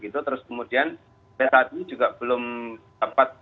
terus kemudian saya tadi juga belum dapat relatif